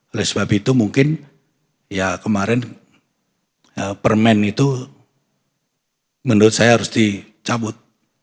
oleh sebab itu mungkin ya kemarin permen itu menurut saya harus dicabut